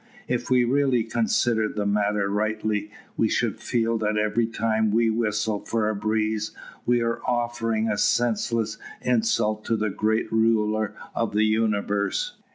If we really considered the matter rightly, we should feel that every time we whistle for a breeze, we are offering a senseless insult to the Great Ruler of the universe.